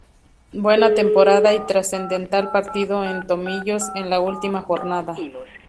Buena temporada y trascendental partido en Tomillos en la última jornada.